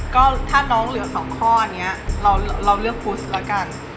ก็ถ้าน้องเหลือสองข้อเนี่ยเราเลือกพุสละกัน